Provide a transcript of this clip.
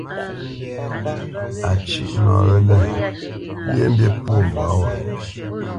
A cʉ́ʼ nɔ wɛ̂lɛ̂, lyéʼmbî pwô mbwǎ wo.